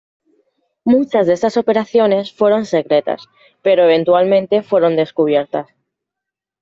Muchas de estas operaciones fueron secretas pero eventualmente fueron descubiertas.